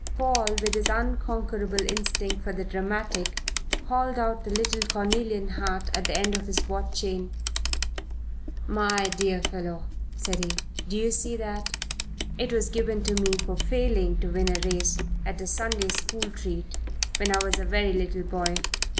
Paul, with his unconquerable instinct for the dramatic, hauled out the little cornelian heart at the end of his watch chain. "My dear fellow," said he. "Do you see that? It was given to me for failing to win a race at a Sunday school treat, when I was a very little boy.